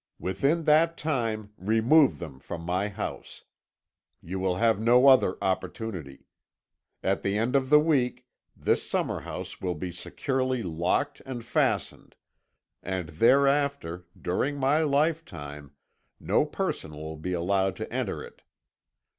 Within that time remove them from my house. You will have no other opportunity. At the end of the week this summer house will be securely locked and fastened, and thereafter, during my lifetime, no person will be allowed to enter it.